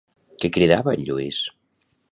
Què cridava en Lluís?